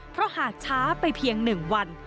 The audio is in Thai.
เพราะหากช้าไปเพียง๑วัน